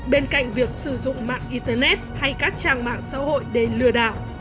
bên cạnh việc sử dụng mạng internet hay các trang mạng xã hội để lừa đảo